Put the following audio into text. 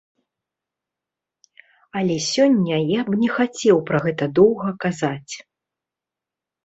Але сёння я б не хацеў пра гэта доўга казаць.